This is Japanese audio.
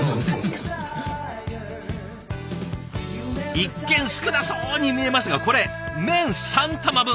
一見少なそうに見えますがこれ麺３玉分。